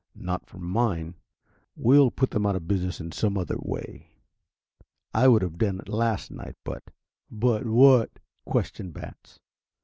Not for mine. We'll put them out of business in some other way. I would have done it last night, but " "But what?" questioned Batts.